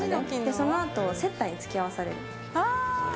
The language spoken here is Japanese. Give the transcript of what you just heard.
そのあと、接待に付き合わされる。